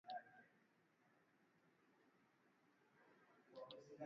Lakini Brig Ekenge amesema katika taarifa kwamba wana taarifa za kuaminika sana kwamba Rwanda